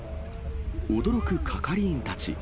驚く係員たち。